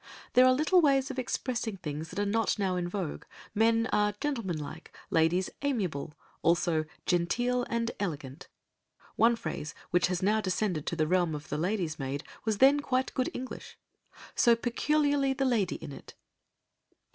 There are little ways of expressing things that are not now in vogue, men are "gentlemanlike," ladies "amiable," also "genteel and elegant"; one phrase which has now descended to the realm of the lady's maid was then quite good English, "so peculiarly the lady in it."